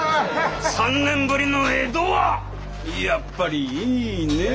３年ぶりの江戸はやっぱりいいねえ。